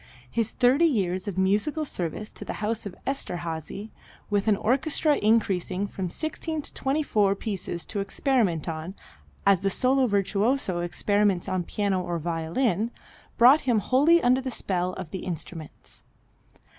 His thirty years of musical service to the house of Esterhazy, with an orchestra increasing from 16 to 24 pieces to experiment on, as the solo virtuoso experiments on piano or violin, brought him wholly under the spell of the instruments.